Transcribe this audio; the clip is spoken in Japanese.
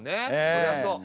そりゃそう！